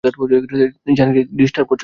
তানি, disturb কেন করছ?